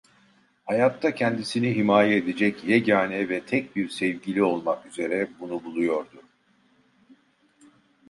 Hayatta kendisini himaye edecek yegane ve tek bir sevgili olmak üzere bunu buluyordu.